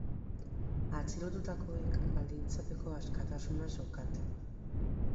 Atxilotutakoek baldintzapeko askatasuna zeukaten.